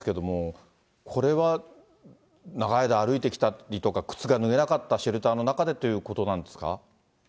それから足をね、今、診てらっしゃいますけど、これは長い間、歩いてきたりとか、靴が脱げなかった、シェルターの中でということなんですか。